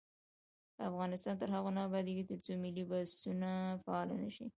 افغانستان تر هغو نه ابادیږي، ترڅو ملي بسونه فعال نشي.